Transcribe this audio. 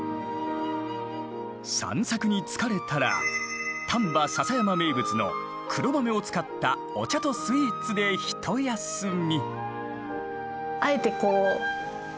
散策に疲れたら丹波篠山名物の黒豆を使ったお茶とスイーツで一休み。